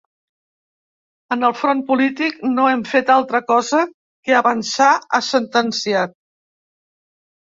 En el front polític, no hem fet altra cosa que avançar, ha sentenciat.